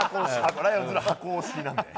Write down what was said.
ライオンズの箱推しなんで。